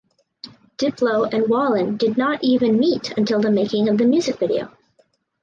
Diplo and Wallen did not even meet until the making of the music video.